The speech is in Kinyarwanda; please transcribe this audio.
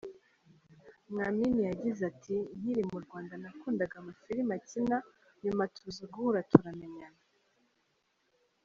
Mwamini yagize ati” Nkiri mu Rwanda, nakundaga amafilime akina, nyuma tuza guhura, turamenyana.